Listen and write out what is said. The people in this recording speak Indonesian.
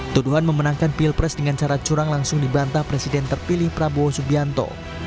tuduhan memenangkan pilpres dengan cara curang langsung dibantah presiden terpilih prabowo subianto